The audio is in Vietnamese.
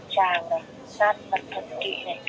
các chỉ số bất thường về trong máu